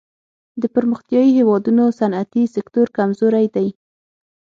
د پرمختیايي هېوادونو صنعتي سکتور کمزوری دی.